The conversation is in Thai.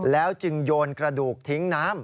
แล้วจึงโยนกระดูกทิ้งน้ำ